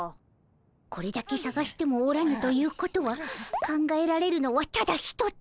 これだけ探してもおらぬということは考えられるのはただ一つ。